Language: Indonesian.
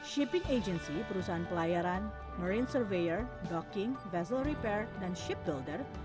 shipping agency perusahaan pelayaran marine surveyor docking vessel repair dan ship builder